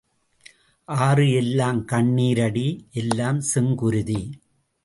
ஆறு எல்லாம் கண்ணீர் அடி எல்லாம் செங்குருதி.